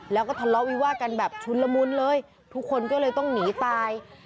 แล้วก็ทะเลาะวิวาดกันแบบชุนละมุนเลยทุกคนก็เลยต้องหนีตาย